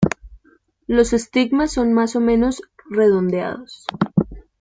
Los estigmas son más o menos redondeados.